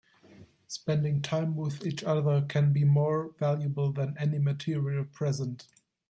Spending time with each other can be more valuable than any material present.